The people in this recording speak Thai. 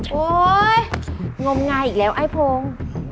โอ๊ยงมงายอีกแล้วไอ้พง